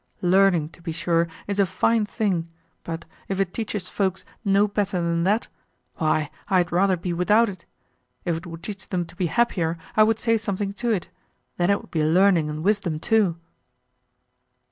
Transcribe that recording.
Learning, to be sure, is a fine thing, but, if it teaches folks no better than that, why I had rather be without it; if it would teach them to be happier, I would say something to it, then it would be learning and wisdom too."